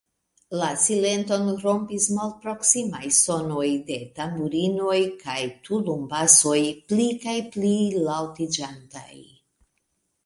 La silenton rompis malproksimaj sonoj de tamburinoj kaj tulumbasoj, pli kaj pli laŭtiĝantaj.